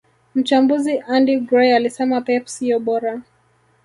Mchambuzi Andy Gray alisema pep siyo bora